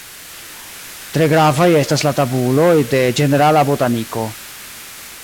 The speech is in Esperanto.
Tre gravaj estas la tabuloj de ĝenerala botaniko.